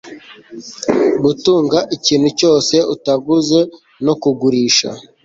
Gutunga ikintu cyose utaguze no kugurisha